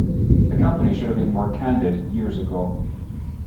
The company should have been more candid years ago.